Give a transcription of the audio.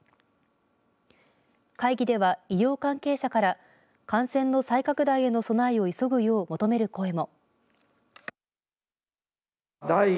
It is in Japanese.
会議では、医療関係者から感染の再拡大への備えを急ぐよう求める声も。